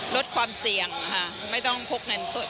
ลดความเสี่ยงนะคะไม่ต้องพกแนนสุดค่ะ